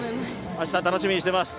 明日、楽しみにしています。